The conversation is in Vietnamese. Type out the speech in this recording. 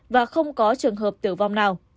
và không có trường hợp tử vong nào